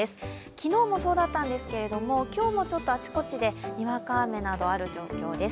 昨日もそうだったんですけれども、今日もあちこちでにわか雨などある状況です。